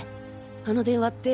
あの電話って。